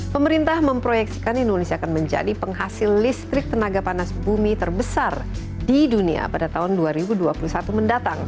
pemerintah memproyeksikan indonesia akan menjadi penghasil listrik tenaga panas bumi terbesar di dunia pada tahun dua ribu dua puluh satu mendatang